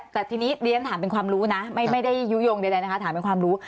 แต่ทีนี้เรียนถามเป็นความรู้นะไม่ได้ยุโยงใดนะคะถามเป็นความรู้